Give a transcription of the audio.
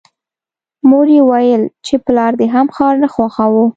مور یې ویل چې پلار دې هم ښار نه خوښاوه